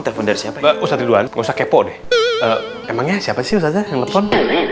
telepon dari siapa ustadz ridwan usah kepo deh emangnya siapa sih ustadz yang telepon